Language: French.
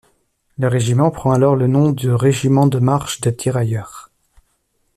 Le régiment prend alors le nom de Régiment de Marche de Tirailleurs.